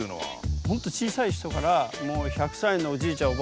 ほんと小さい人からもう１００さいのおじいちゃん